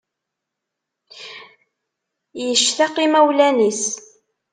Yectaq imawlan-is.